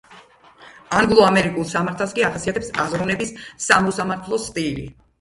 ანგლო-ამერიკულ სამართალს კი ახასიათებს აზროვნების სამოსამართლო სტილი.